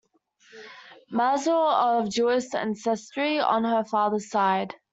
Mazur is of Jewish ancestry on her father's side.